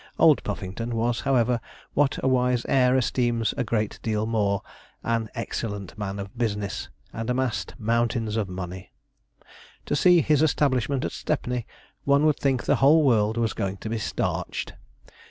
Old Puffington was, however, what a wise heir esteems a great deal more an excellent man of business, and amassed mountains of money. To see his establishment at Stepney, one would think the whole world was going to be starched.